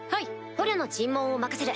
捕虜の尋問を任せる。